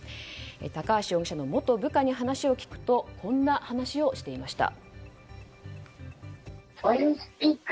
高橋容疑者の元部下に話を聞くとこんな話をしていました。